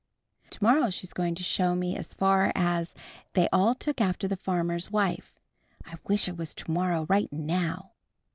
"To morrow she's going to show me as far as 'They all took after the farmer's wife.' I wish it was to morrow right now!"